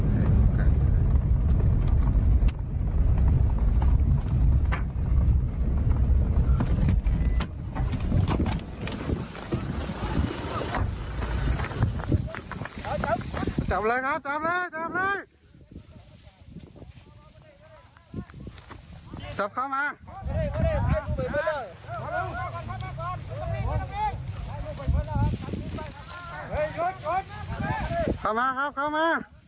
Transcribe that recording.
เข้ามาครับเข้ามา